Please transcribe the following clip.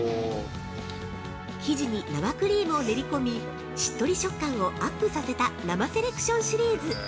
◆生地に生クリームを練り込み、しっとり食感をアップさせた生セレクションシリーズ！